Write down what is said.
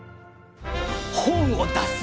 本を出す！